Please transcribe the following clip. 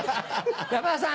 山田さん